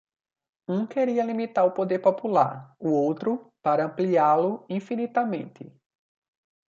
Um queria limitar o poder popular, o outro para ampliá-lo infinitamente.